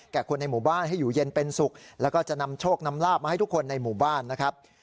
คนในหมู่บ้านให้อยู่เย็นเป็นสุขแล้วก็จะนำโชคนำลาบมาให้ทุกคนในหมู่บ้านนะครับ